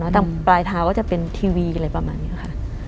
ทางปลายเท้าก็จะเป็นทีวีอะไรประมาณนี้ค่ะ